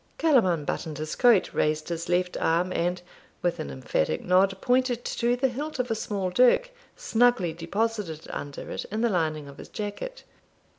Callum unbuttoned his coat, raised his left arm, and, with an emphatic nod, pointed to the hilt of a small dirk, snugly deposited under it, in the lining of his jacket.